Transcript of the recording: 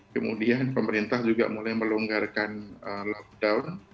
kemudian pemerintah juga mulai melonggarkan lockdown